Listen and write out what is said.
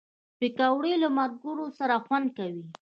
پکورې له ملګرو سره خوند کوي